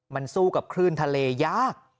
มันสู้กับคลื่นทะเลยาก